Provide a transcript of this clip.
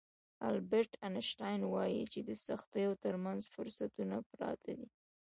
البرټ انشټاين وايي چې د سختیو ترمنځ فرصتونه پراته دي.